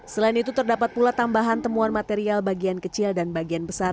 selain itu terdapat pula tambahan temuan material bagian kecil dan bagian besar